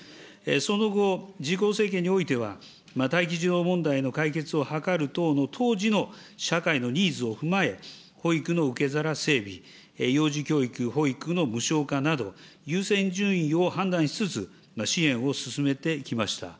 その後、自公政権においては、待機児童問題の解決を図る等の当時の社会のニーズを踏まえ、保育の受け皿整備、幼児教育、保育の無償化など、優先順位を判断しつつ、支援を進めてきました。